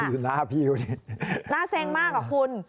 ดูหน้าพี่ดูนิดหน้าเซงมากเหรอคุณ